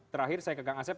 terakhir saya ke kang asep